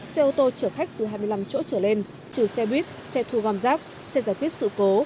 xe ô tô chở khách từ hai mươi năm chỗ trở lên trừ xe buýt xe thu gom rác xe giải quyết sự cố